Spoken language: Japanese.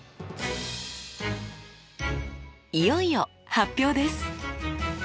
いよいよ発表です。